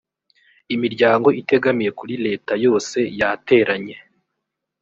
imiryango itegamiye kuri leta yose yateranye